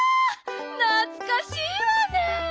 なつかしいわね。